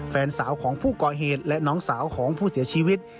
แฟนสาวของผู้ก่อเหตุและน้องสาวของผู้เสียชีวิต